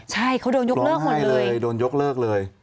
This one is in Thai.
ใช่เขาโดนยกเลิกหมดเลยร้องไห้เลยโดนยกเลิกเลย